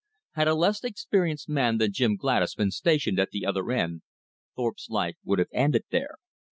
Had a less experienced man than Jim Gladys been stationed at the other end, Thorpe's life would have ended there.